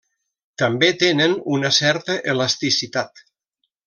També tenen una certa elasticitat.